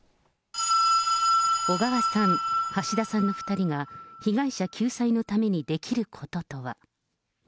小川さん、橋田さんの２人が、被害者救済のためにできることとは。